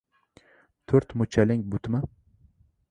To‘rt muchaling butmi?..